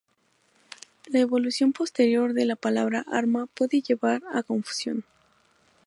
La evolución posterior de la palabra arma puede llevar a confusión.